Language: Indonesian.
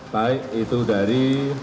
baik itu dari